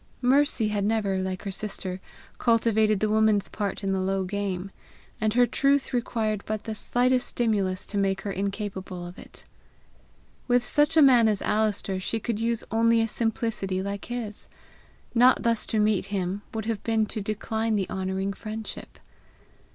Mercy had never like her sister cultivated the woman's part in the low game; and her truth required but the slightest stimulus to make her incapable of it. With such a man as Alister she could use only a simplicity like his; not thus to meet him would have been to decline the honouring friendship.